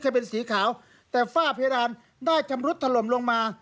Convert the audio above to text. จะเป็นสีขาวแต่ฝ้าเพดานได้ชำรุดถล่มลงมา